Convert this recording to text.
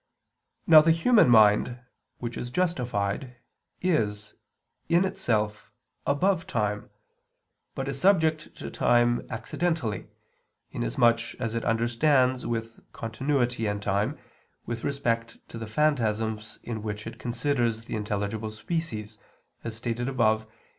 Now the human mind, which is justified, is, in itself, above time, but is subject to time accidentally, inasmuch as it understands with continuity and time, with respect to the phantasms in which it considers the intelligible species, as stated above (I, Q.